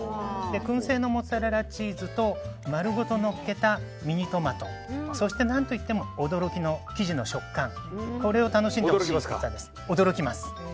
燻製のモッツァレラチーズと丸ごとのっけたミニトマトそして何といっても驚きの生地の食感を楽しんでほしいピッツァです。